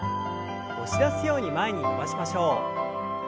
押し出すように前に伸ばしましょう。